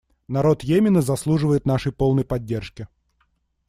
Народ Йемена заслуживает нашей полной поддержки.